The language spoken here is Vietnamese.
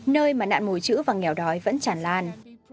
nơi mà nạn mù chữ và nghèo đói vẫn chản lan